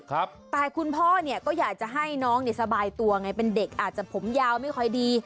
แต่คุณพ่อเนี่ยก็อยากจะให้น้องเนี่ยสบายตัวไงเป็นเด็กอาจจะผมยาวไม่ค่อยดี